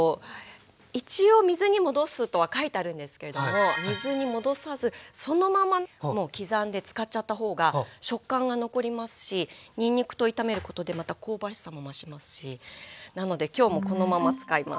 一応水に戻すとは書いてあるんですけれども水に戻さずそのまま刻んで使っちゃった方が食感が残りますしにんにくと炒めることでまた香ばしさも増しますしなので今日もこのまま使います。